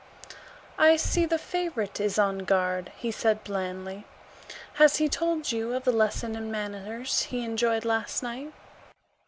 "I see the favorite is on guard," he said blandly. "Has he told you of the lesson in manners he enjoyed last night?"